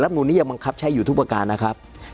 นูนนี้ยังบังคับใช้อยู่ทุกประการนะครับ